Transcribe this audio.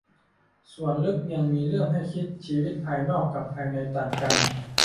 ส่วนลึกยังมีเรื่องให้คิด ชีวิตภายนอกกับภายในต่างกัน